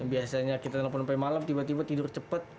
biasanya kita telpon sampai malem tiba tiba tidur cepet